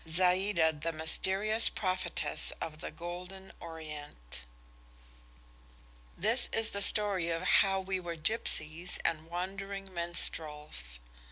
ZAÏDA, THE MYSTERIOUS PROPHETESS OF THE GOLDEN ORIENT THIS is the story of how we were gipsies and wandering minstrels.